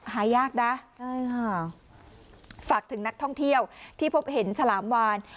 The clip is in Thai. หายากนะใช่ค่ะฝากถึงนักท่องเที่ยวที่พบเห็นฉลามวาน